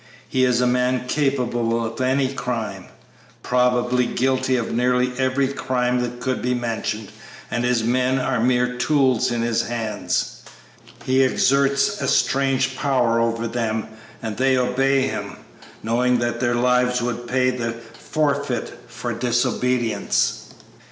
He is a man capable of any crime, probably guilty of nearly every crime that could be mentioned, and his men are mere tools in his hands. He exerts a strange power over them and they obey him, knowing that their lives would pay the forfeit for disobedience.